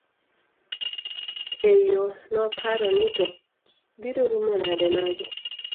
e yo noparo ni to biro rumo nade magi